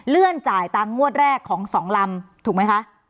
เลื่อนจ่ายตามงวดแรกของ๒ลำถูกไหมคะ